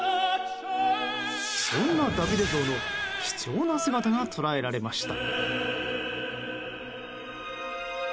そんなダビデ像の貴重な姿が捉えられました。